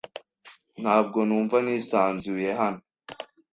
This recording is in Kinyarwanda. Ntabwo numva nisanzuye hano.